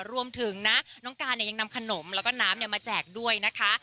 รวมถึงนะน้องการยังนำขนมแล้วก็น้ำมาแจกด้วยนะคะ